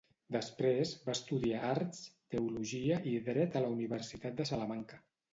Després, va estudiar arts, teologia i dret a la Universitat de Salamanca.